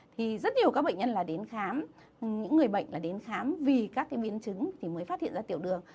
thì rất nhiều các bệnh nhân là đến khám những người bệnh là đến khám vì các cái biến chứng thì mới phát hiện ra tiểu đường